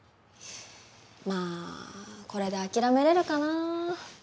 まあこれで諦めれるかな。